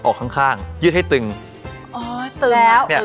ออกข้างข้างยืดให้ตึงอ๋อตึงแล้วเนี่ย